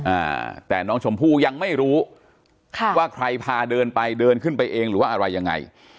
อ่าแต่น้องชมพู่ยังไม่รู้ค่ะว่าใครพาเดินไปเดินขึ้นไปเองหรือว่าอะไรยังไง